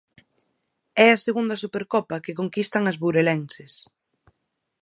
É a segunda Supercopa que conquistan as burelenses.